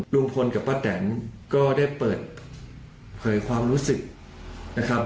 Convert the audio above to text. ลุงพลกับป้าแตนก็ได้เปิดเผยความรู้สึกนะครับ